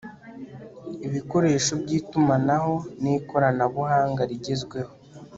ibikoresho by'itumanaho n'ikoranabuhanga rigezweho